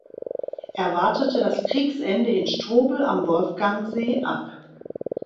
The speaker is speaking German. Er wartete das Kriegsende in Strobl am Wolfgangsee ab.